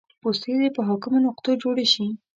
پوستې دې په حاکمو نقطو جوړې شي